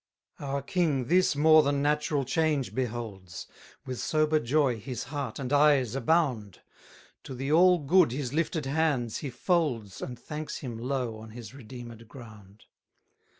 283 Our King this more than natural change beholds; With sober joy his heart and eyes abound: To the All good his lifted hands he folds, And thanks him low on his redeemed ground.